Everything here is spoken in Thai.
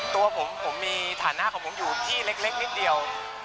ตัวผมผมมีฐานะของผมอยู่ที่เล็กนิดเดียว